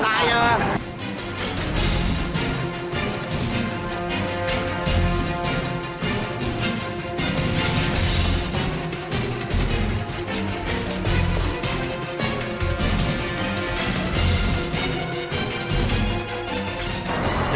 หลานไม่จอดผมปัดรถอยู่